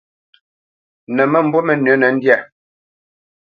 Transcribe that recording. Nə̌ məmbu mənʉ̌nə ndyâ,